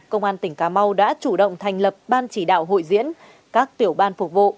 công an tỉnh cà mau đã chủ động thành lập ban chỉ đạo hội diễn các tiểu ban phục vụ